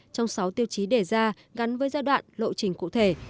trong sáu tiêu chí đề ra gắn với giai đoạn lộ trình cụ thể